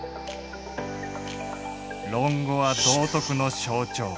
「論語」は道徳の象徴。